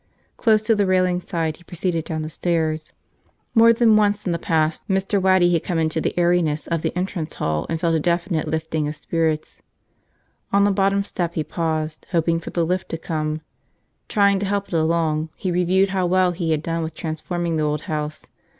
Close to the railing side, he proceeded down the stairs. More than once in the past Mr. Waddy had come into the airiness of the entrance hall and felt a definite lifting of spirits. On the bottom step he paused, hoping for the lift to come. Trying to help it along, he reviewed how well he had done with transforming the old house.